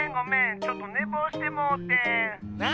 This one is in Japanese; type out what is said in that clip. ちょっとねぼうしてもうてん。